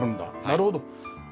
なるほど。